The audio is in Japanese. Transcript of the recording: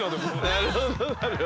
なるほどなるほど。